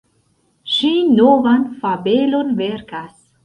Ŝi novan fabelon verkas!